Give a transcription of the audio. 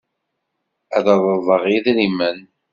Ad d-reḍleɣ idrimen.